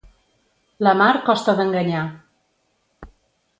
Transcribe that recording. La mar costa d'enganyar.